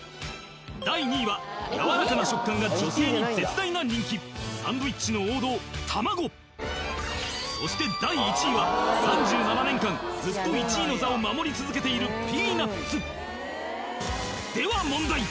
第２位はやわらかな食感が女性に絶大な人気サンドイッチの王道そして第１位は３７年間ずっと１位の座を守り続けているでは問題！